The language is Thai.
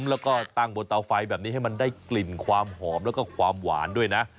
แล้วก็ตั้งบนเตาไฟแบบนี้ให้มันได้กลิ่นความหอมแล้วก็ความหวานด้วยนะ